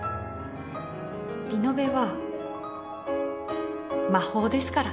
リノベは魔法ですから。